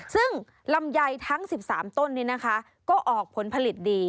ซึ่งลำไยทั้ง๑๓ต้นนี้นะคะก็ออกผลผลิตดี